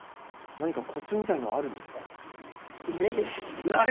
何かこつみたいなのはあるん慣れです。